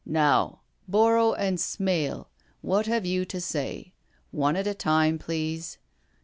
" Now, Borrow and Smale, what have you to say? One at a time, please.